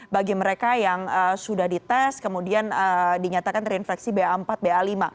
bagi mereka yang sudah dites kemudian dinyatakan terinfeksi ba empat ba lima